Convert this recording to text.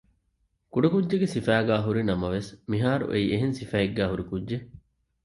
ކުޑަކުއްޖެއްގެ ސިފައިގައި ހުރި ނަމަވެސް މިހާރު އެއީ އެހެން ސިފައެއްގައި ހުރި ކުއްޖެއް